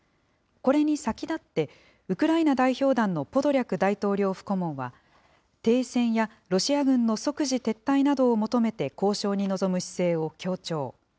これに先立って、ウクライナ代表団のポドリャク大統領府顧問は、停戦やロシア軍の即時撤退などを求めて交渉に臨む姿勢を強調。